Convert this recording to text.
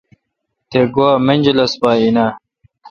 تے گوا منجلس پا این آں؟